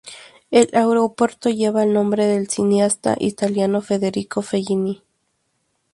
El aeropuerto lleva el nombre del cineasta italiano Federico Fellini.